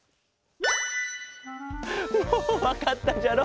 もうわかったじゃろ？